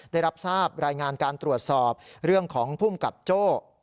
ได้รับทราบรายงานการตรวจสอบเรื่องของภูมิกับโจ้